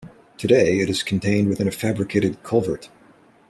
Today it is contained within a fabricated culvert.